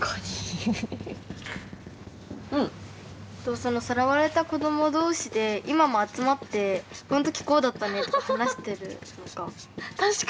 そのさらわれた子ども同士で今も集まって「この時こうだったね」って話してるのか。